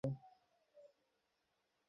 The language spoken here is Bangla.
আলোচনা শুরুর আগে একটা প্রশ্ন ছিল আমার!